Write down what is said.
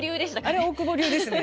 あれ大久保流ですね。